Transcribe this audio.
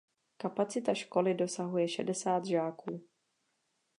Kapacita školy dosahuje šedesát žáků.